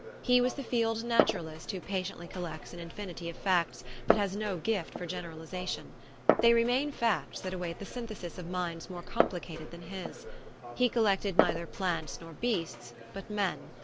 He was the field naturalist who patiently collects an infinity of facts, but has no gift for generalisation : they re main facts that await the synthesis of minds more complicated than his. He collected neither plants nor beasts, but men.